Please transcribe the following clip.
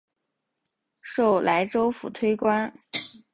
授莱州府推官。